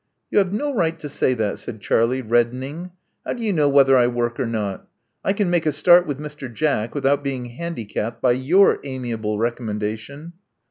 '*You have no right to say that," said Charlie, reddening. *'How do you know whether I work or not? I can make a start with Mr. Jack without being handicapped by your amiable recommendation."